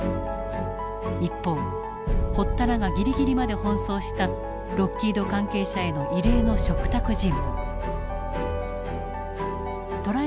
一方堀田らがギリギリまで奔走したロッキード関係者への異例の嘱託尋問。